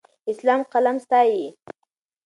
اسلام قلم ستایي.